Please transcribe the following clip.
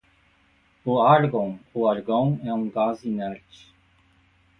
O árgon ou argão é um gás inerte.